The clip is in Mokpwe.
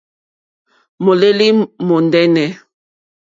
Mùlêlì mùndɛ́nɛ̀.